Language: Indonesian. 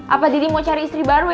apa diri mau cari istri baru ya